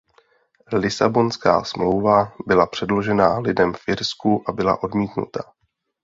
Lisabonská smlouva byla předložena lidem v Irsku a byla odmítnuta.